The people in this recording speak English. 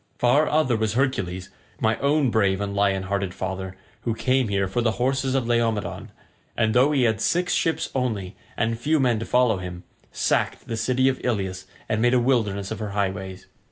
Far other was Hercules, my own brave and lion hearted father, who came here for the horses of Laomedon, and though he had six ships only, and few men to follow him, sacked the city of Ilius and made a wilderness of her highways.